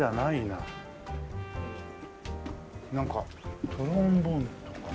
なんかトロンボーンとか。